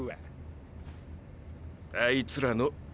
あいつらのーー